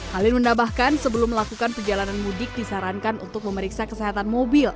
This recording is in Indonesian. halil menambahkan sebelum melakukan perjalanan mudik disarankan untuk memeriksa kesehatan mobil